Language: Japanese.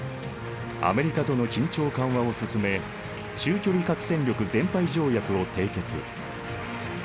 アメリカとの緊張緩和を進め中距離核戦力全廃条約を締結。